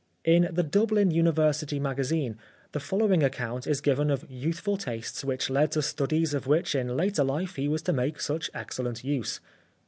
In the Dublin University Magazine the follow ing account is given of youthful tastes which led to studies of which in later life he was to make such excellent use.